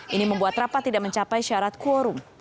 ini membuat rapat tidak mencapai syarat quorum